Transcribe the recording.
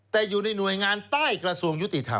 แต่อยู่ในหน่วยงานใต้กระทรวงยุติธรรม